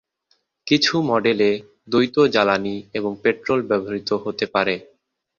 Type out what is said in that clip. কিছু মডেলে দ্বৈত জ্বালানী এবং পেট্রল ব্যবহৃত হতে পারে।